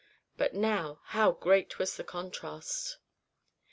But now how great was the contrast!